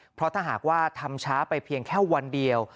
เพราะถ้าหากว่าทำช้าไปเพียงแค่วันเดียว